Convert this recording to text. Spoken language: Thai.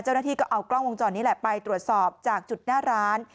เจ้าหน้าที่ก็เอากล้องวงจรปิดนี้แหละไปตรวจสอบจากจุดหน้าร้าน